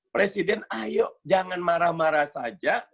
presiden ayo jangan marah marah saja